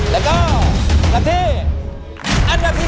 แล้วก็กลับที่อันดับที่๙